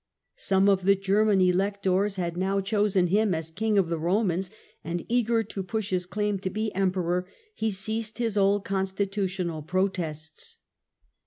Some of the German electors had now chosen him as King of the Romans, and, eager to push his claim to be emperor, he ceased his old constitutional protests.